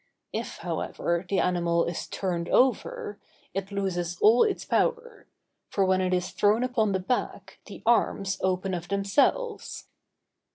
If, however, the animal is turned over, it loses all its power; for when it is thrown upon the back, the arms open of themselves.